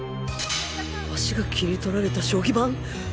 脚が切り取られた将棋盤！？